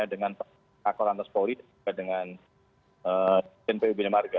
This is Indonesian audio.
dengan pak korantes pauli dan dengan jnpu benyamarga